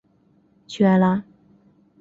屈埃拉。